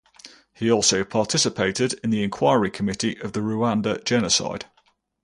He also participated in the Enquiry Committee of the Rwanda Genocide.